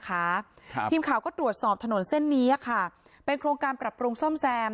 ครับทีมข่าวก็ตรวจสอบถนนเส้นนี้อ่ะค่ะเป็นโครงการปรับปรุงซ่อมแซม